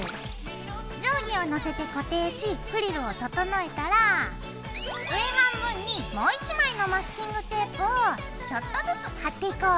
定規を乗せて固定しフリルを整えたら上半分にもう１枚のマスキングテープをちょっとずつ貼っていこう。